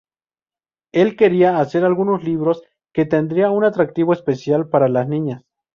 Él quería hacer algunos libros que tendrían un atractivo especial para las niñas.